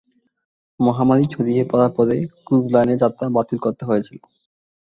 মহামারী ছড়িয়ে পড়ার পরে ক্রুজ লাইনের যাত্রা বাতিল করতে হয়েছিল।